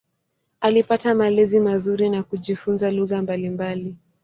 Alipata malezi mazuri na kujifunza lugha mbalimbali.